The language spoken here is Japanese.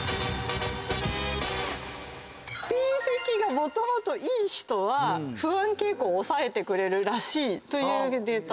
成績がもともといい人は不安傾向を抑えてくれるらしいというデータです。